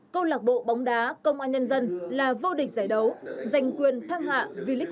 câu lạc bộ bóng đá công an nhân dân là vô địch giải đấu giành quyền thăng hạng vì lịch một